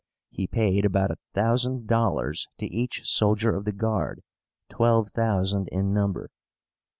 He paid about a thousand dollars to each soldier of the Guard, twelve thousand in number.